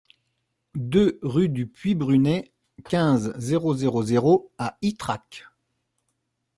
deux rue du Puy Brunet, quinze, zéro zéro zéro à Ytrac